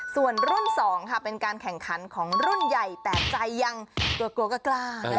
ส่วนรุ่น๒ค่ะเป็นการแข่งขันของรุ่นใหญ่แต่ใจยังกลัวก็กล้า